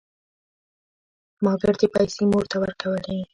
ما ګردې پيسې مور ته ورکولې.